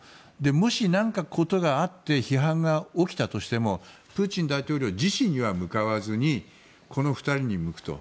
もし、事があって批判が起きたとしてもプーチン大統領自身には向かわずに、この２人に向くと。